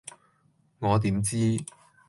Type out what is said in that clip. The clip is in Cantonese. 我點知